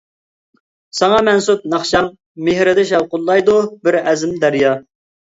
ساڭا مەنسۇپ ناخشام مېھرىدە شاۋقۇنلايدۇ بىر ئەزىم دەريا.